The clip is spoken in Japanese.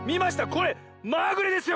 これまぐれですよ